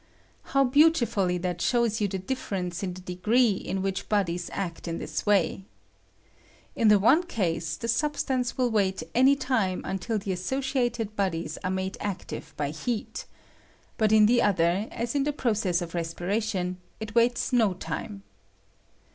How beautifully that shows you the difference in the degree in which bodies act in this way ! In the one case the substance will wait any time until the associated bodies are made active by heat; but in the other, as in the process of respiration, it waits no time.